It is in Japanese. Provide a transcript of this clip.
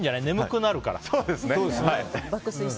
眠くなるから。